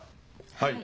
はい。